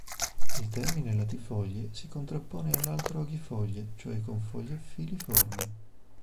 Il termine latifoglie si contrappone all'altro aghifoglie, cioè con foglie filiformi.